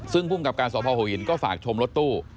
ซึ่งภูมิกับการสภหัวหินก็ฝากชมรถตู้